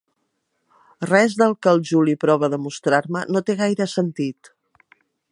Res del que el Juli prova de mostrar-me no té gaire sentit.